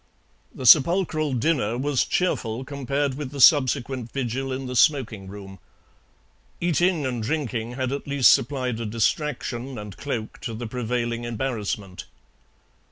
The sepulchral dinner was cheerful compared with the subsequent vigil in the smoking room. Eating and drinking had at least supplied a distraction and cloak to the prevailing embarrassment.